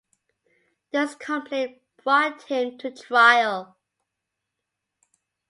This complaint brought him to trial.